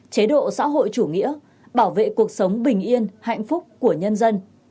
chế độ xã hội chủ nghĩa bảo vệ cuộc sống bình yên hạnh phúc của nhân dân